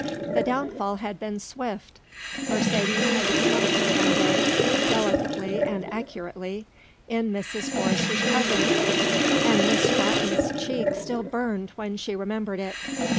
The downfall had been swift; Mercedes had snubbed her one day, delicately and accurately, in Mrs. Forrester's presence, and Miss Scrotton's cheek still burned when she remembered it.